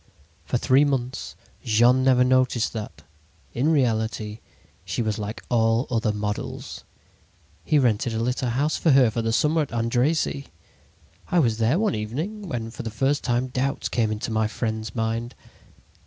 "For three months Jean never noticed that, in reality, she was like all other models. "He rented a little house for her for the summer at Andresy. "I was there one evening when for the first time doubts came into my friend's mind.